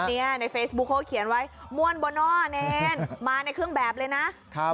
ในเฟซบุ๊คเขาเขียนไว้ม่วนโบนอร์เนรมาในเครื่องแบบเลยนะครับ